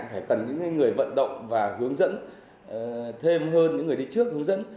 phải cần những người vận động và hướng dẫn thêm hơn những người đi trước hướng dẫn